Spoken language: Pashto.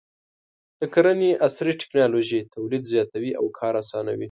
د کرنې عصري ټکنالوژي تولید زیاتوي او کار اسانوي.